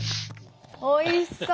おいしそう！